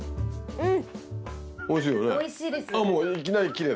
うん。